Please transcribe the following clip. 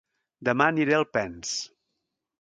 Dema aniré a Alpens